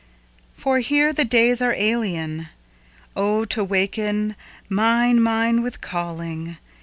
For here the days are alien. Oh, to wakenMine, mine, with calling!